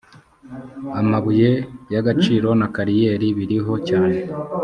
amabuye y ‘agaciro na kariyeri biriho cyane.